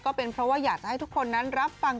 ก็เป็นเพราะว่าอยากจะให้ทุกคนนั้นรับฟัง